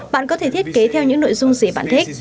bạn có thể thiết kế theo những nội dung gì bạn thích